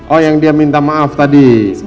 oh yang dia minta maaf tadi